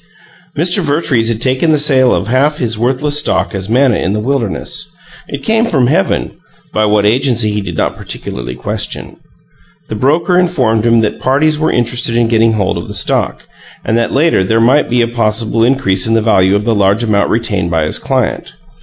Mr. Vertrees had taken the sale of half of his worthless stock as manna in the wilderness; it came from heaven by what agency he did not particularly question. The broker informed him that "parties were interested in getting hold of the stock," and that later there might be a possible increase in the value of the large amount retained by his client.